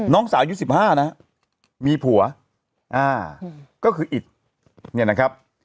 น้องสาวอยู่สิบห้านะมีผัวก็คืออิทธิ์เนี่ยนะครับ